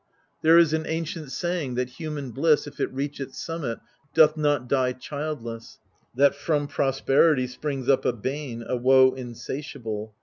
There is an ancient saying, that human bliss, if it reach its summit, doth not die childless ; that from prosperity springs up a bane, a woe insatiable.